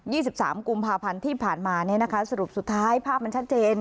สิบสามกุมภาพันธ์ที่ผ่านมาเนี้ยนะคะสรุปสุดท้ายภาพมันชัดเจน